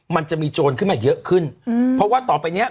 มันจะมีโจรขึ้นมาเยอะขึ้นอืมเพราะว่าต่อไปเนี้ย